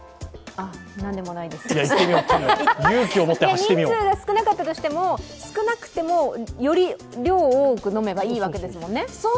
人数が少なかったとしても、少なくてもより量を多く飲めばいいわけですもんね。